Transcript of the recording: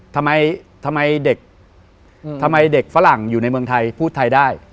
ทำไมเด็กฝรั่งอยู่ในเมืองไทยพูดไทยได้